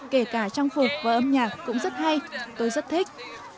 kể cả trang phục và âm nhạc cũng rất hay tôi rất thích